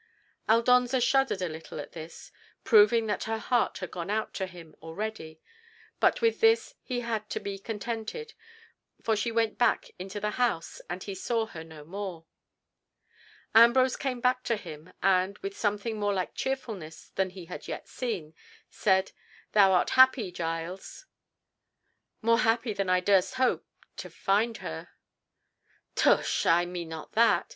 Aldonza shuddered a little at this, proving that her heart had gone out to him already, but with this he had to be contented, for she went back into the house, and he saw her no more. Ambrose came back to him, and, with something more like cheerfulness than he had yet seen, said, "Thou art happy, Giles." "More happy than I durst hope—to find her—" "Tush! I meant not that.